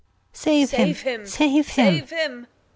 Save him, save him. Gon.